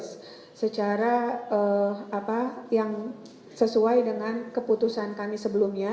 secara yang sesuai dengan keputusan kami sebelumnya